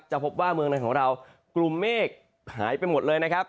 พบว่าเมืองในของเรากลุ่มเมฆหายไปหมดเลยนะครับ